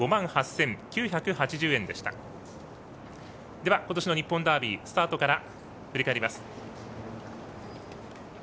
では、ことしの日本ダービースタートから振り返ります。